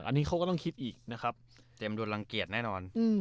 อันนี้เขาก็ต้องคิดอีกนะครับเจมส์โดนรังเกียจแน่นอน